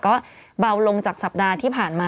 ก็เบาลงจากสัปดาห์ที่ผ่านมา